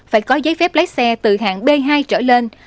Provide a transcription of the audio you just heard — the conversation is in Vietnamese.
phải có giấy phép lái xe từ hạng b hai trở lên